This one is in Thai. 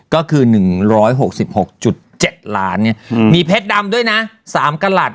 ก็คือ๑๖๖๗ล้านเนี่ยมีเพชรดำด้วยนะ๓กระหลัด